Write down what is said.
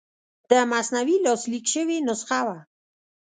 د مثنوي لاسلیک شوې نسخه وه.